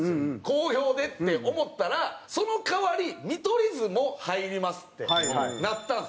好評でって思ったらその代わり見取り図も入りますってなったんですよ。